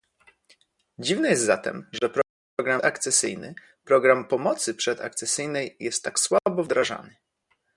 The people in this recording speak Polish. Dziwne jest zatem, że program przedakcesyjny, program pomocy przedakcesyjnej, jest tak słabo wdrażany